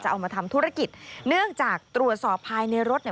เอามาทำธุรกิจเนื่องจากตรวจสอบภายในรถ